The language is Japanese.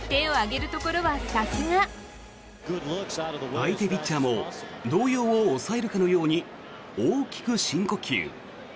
相手ピッチャーも動揺を抑えるかのように大きく深呼吸。